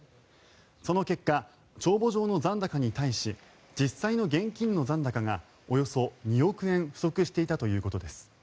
その結果、帳簿上の残高に対し実際の現金の残高がおよそ２億円不足していたということです。